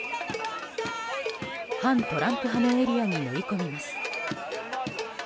反トランプ派のエリアに乗り込みます。